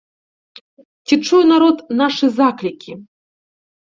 Ці чуе народ нашы заклікі?